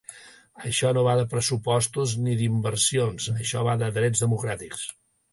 Això no va de pressupostos ni d’inversions, això va de drets democràtics.